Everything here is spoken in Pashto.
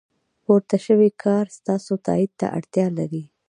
پورته شوی کار ستاسو تایید ته اړتیا لري.